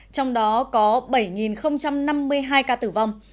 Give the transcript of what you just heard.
trong đó có bảy năm mươi hai ca tử vong